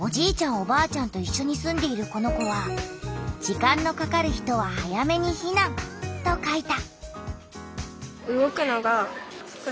おばあちゃんといっしょに住んでいるこの子は「時間のかかる人は早めにひなん」と書いた。